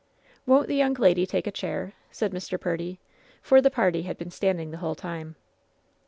"Won't the young lady take a chair?" said Mr. Purdy ; for the party had been standing the whole time.